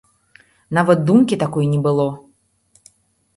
Нават думкі такой не было.